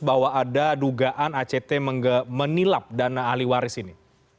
bahwa ada dugaan act menilap dana ahli waris ini